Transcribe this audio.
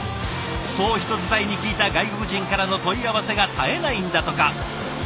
そう人伝えに聞いた外国人からの問い合わせが絶えないんだとか。